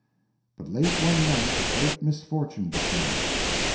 But late one night a great misfortune befell.